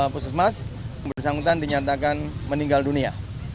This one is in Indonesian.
pusat mas bersangkutan dinyatakan meninggal dunia